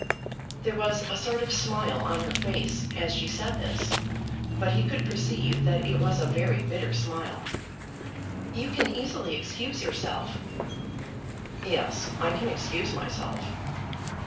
There was a sort of smile on her face as she said this, but he could perceive that it was a very bitter smile. "You can easily excuse yourself." "Yes, I can excuse myself."